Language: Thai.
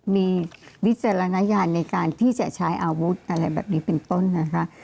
มีวิจารณญาณในการที่จะใช้อาวุธอะไรแบบนี้เป็นต้นนะคะ